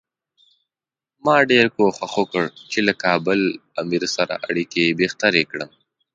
ما ډېر کوښښ وکړ چې له کابل امیر سره اړیکې بهترې کړم.